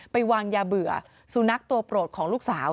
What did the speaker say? ไปวางยาเบื่อสุนัขตัวโปรดของลูกสาว